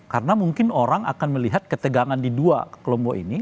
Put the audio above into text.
karena mungkin orang akan melihat ketegangan di dua kelompok ini